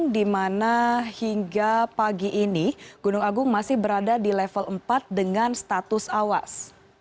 di mana hingga pagi ini gunung agung masih berada di level empat dengan status awas